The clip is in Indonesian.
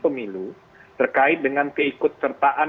pemilu yang terkasih adalah penggunaan kekuatan